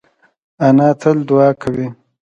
انا تل دعا کوي